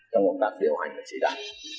trong công tác điều hành của chỉ đảng